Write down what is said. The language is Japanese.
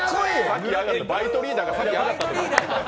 バイトリーダーが先上がったみたい。